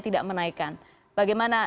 tidak menaikkan bagaimana